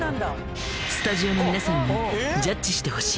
スタジオの皆さんにジャッジしてほしい。